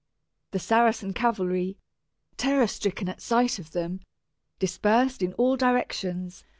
The Saracen cavalry, terror stricken at sight of them, dispersed in all directions.